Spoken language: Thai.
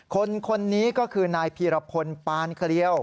คนนี้ก็คือนายพีรพลปานเคลียว